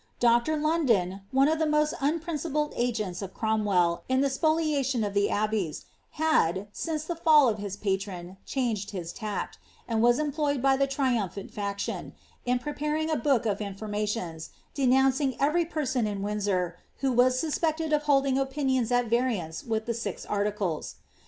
Dr. London, one of the most unprincipled ; Cromwell in the spoliation of the abbeys, had, since the fi patron, changed his tack, and was employed by the inumphai m preparing a houk of informations, denouncing every person for who was suspected of holding opinions at variance wit) articles.